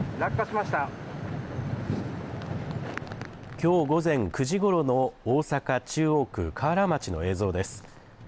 きょう午前９時ごろの大阪中央区瓦町の映像です。